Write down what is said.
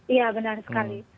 iya benar sekali